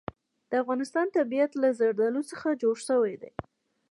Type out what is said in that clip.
د افغانستان طبیعت له زردالو څخه جوړ شوی دی.